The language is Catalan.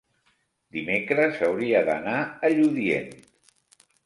Dimecres hauria d'anar a Lludient.